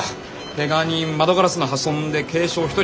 けが人窓ガラスの破損で軽傷１人。